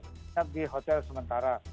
lalu di hotel sementara